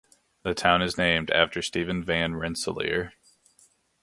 The town is named after Stephen Van Rensselaer.